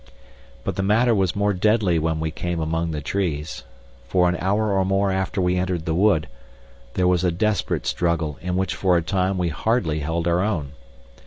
But the matter was more deadly when we came among the trees. For an hour or more after we entered the wood, there was a desperate struggle in which for a time we hardly held our own.